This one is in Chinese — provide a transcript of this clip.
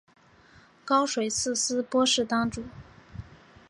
高水寺斯波氏当主。